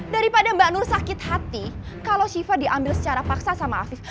daripada mbak nur sakit hati kalau shiva diambil secara paksa sama afif